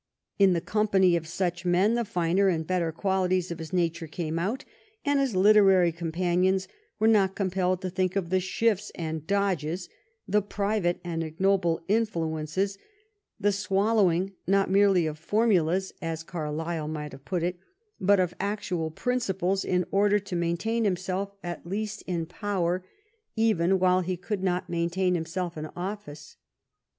In the com pany of such men the finer and better qualities of his nature came out, and his literary companions were not compelled to think of the shifts and dodges, the private and ignoble influences, the swallowing not merely of formulas, as Carlyle might have put it, but of actual principles in order to maintain himself at least in power even while he could not maintain him self in office.